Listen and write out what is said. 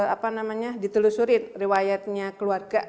apa namanya ditelusuri riwayatnya keluarga